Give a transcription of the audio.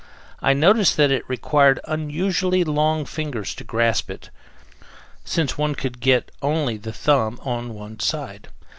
I noticed that it required unusually long fingers to grasp it, since one could get only the thumb on one side.